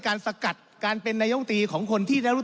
ท่านประธานก็เป็นสอสอมาหลายสมัย